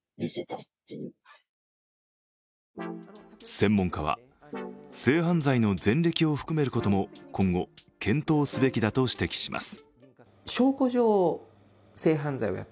専門家は、性犯罪の前歴を含めることも今後、検討すべきだと指摘します。